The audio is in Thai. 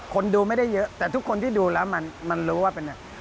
คนดูไม่ได้เยอะแต่ทุกคนที่ดูแล้วมันรู้ว่าเป็น